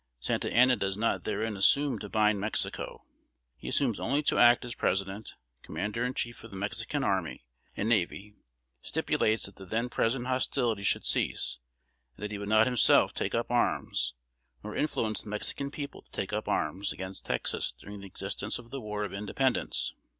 Santa Anna does not therein assume to bind Mexico: he assumes only to act as president, commander in chief of the Mexican army and navy; stipulates that the then present hostilities should cease, and that he would not himself take up arms, nor influence the Mexican people to take up arms, against Texas during the existence of the war of independence.